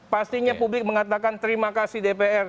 pastinya publik mengatakan terima kasih dpr